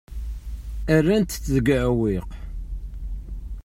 Rran-tent deg uɛewwiq.